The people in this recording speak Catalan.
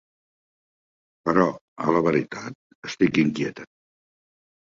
Però, a la veritat, estic inquieta;